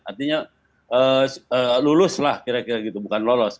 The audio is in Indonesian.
artinya lulus lah kira kira gitu bukan lolos